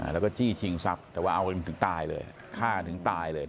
แล้วก็จี้ชิงทรัพย์แต่ว่าเอาจนถึงตายเลยฆ่าถึงตายเลย